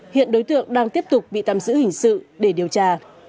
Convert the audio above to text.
hiện đối tượng đang tiếp tục bị tạm giữ hình sự để điều tra